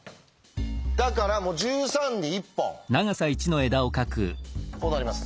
だから１３に１本こうなります。